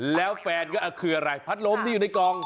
แล้วแฟนก็คืออะไรพัดลมที่อยู่ในกอง